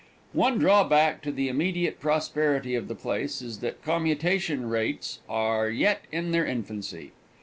One drawback to the immediate prosperity of the place is that commutation rates are yet in their infancy.